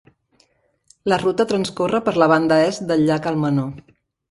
La ruta transcorre per la banda est del llac Almanor.